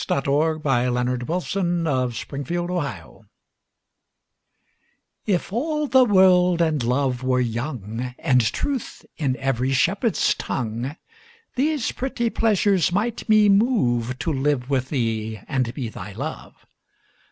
Her Reply (Written by Sir Walter Raleigh) IF all the world and love were young, And truth in every shepherd's tongue, These pretty pleasures might me moveTo live with thee and be thy Love.